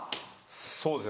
そうです